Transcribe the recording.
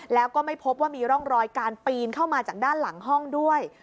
แล้วก็ไม่พบว่ามีร่องรอยการปีนเข้ามาจากด้านหลังห้องด้วย